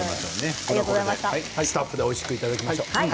スタッフでおいしくいただきましょう。